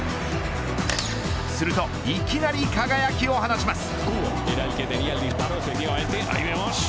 するといきなり輝きを放ちます。